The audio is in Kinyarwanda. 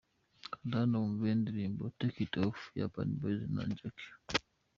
Kanda hano wumve indirimbo Take it off ya Urban Boys na Jackie.